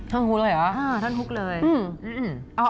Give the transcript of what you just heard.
ท่อนฮุกอะไรหรออ่าท่อนฮุกเลยอื้ม